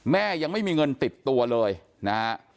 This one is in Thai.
แม่ยังไม่มีเงินติดตัวเลยนะฮะ